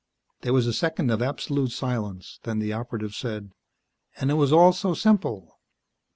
There was a second of absolute silence. Then the Operative said: "And it was all so simple."